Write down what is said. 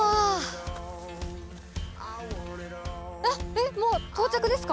えっもう到着ですか？